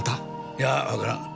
いやあわからん。